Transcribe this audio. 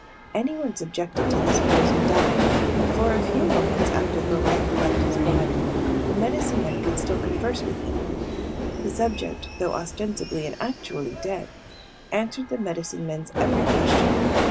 Anyone subjected to this poison died, but for a few minutes after the life left his body the medicine men could still converse with him. The subject, though ostensibly and actually dead, answered the medicine men's every question.